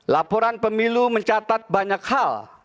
laporan pemilu mencatat banyak hal